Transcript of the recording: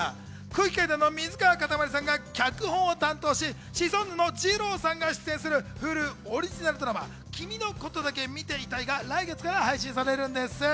空気階段の水川かたまりさんが脚本を担当し、シソンヌのじろうさんが出演するＨｕｌｕオリジナルドラマ、『君のことだけ見ていたい』が来月から配信されます。